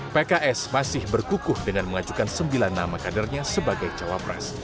pks masih berkukuh dengan mengajukan sembilan nama kadernya sebagai cawapres